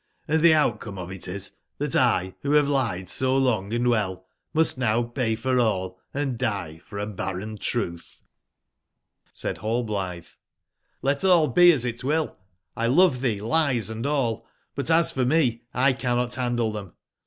Hnd the outcome of it is that X, who have lied so long and well, must now pay for all, and die for a barren truth"jj^Said Hall <57 blitbc :'* Let all be as it will 1 1 love tbee, lies and all ; but as for me X cannot bandle tbem.